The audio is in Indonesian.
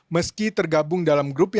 meski tergabung dalam grup